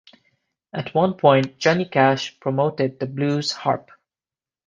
At one point, Johnny Cash promoted the Blues Harp.